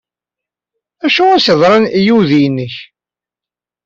D acu ay as-yeḍran i uydi-nnek?